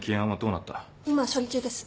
今処理中です。